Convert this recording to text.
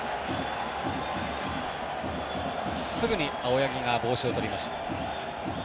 すぐに青柳が帽子をとりました。